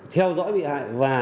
theo dõi bị hại